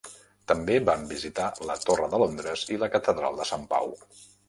També van visitar la Torre de Londres i la Catedral de Sant Pau.